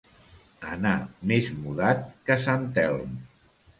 Anar més mudat que sant Elm.